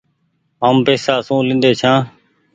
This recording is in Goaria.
هم پئيسا سون لينڍي ڇآن ۔